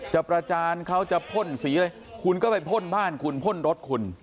ประจานเขาจะพ่นสีอะไรคุณก็ไปพ่นบ้านคุณพ่นรถคุณ